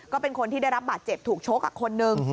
ก็เป็นคนที่ได้รับบาดเจ็บถูกชกคนหนึ่ง